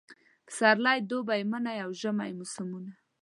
پسرلی، دوبی، منی اوژمی موسمونه